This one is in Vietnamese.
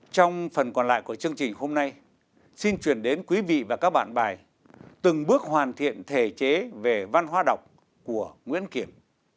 trong phần còn lại của chương trình hôm nay xin chuyển đến quý vị và các bạn bài từng bước hoàn thiện thể chế về văn hóa đọc của nguyễn kiểm